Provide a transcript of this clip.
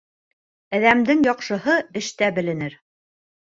Әҙәмдең яҡшыһы эштә беленер.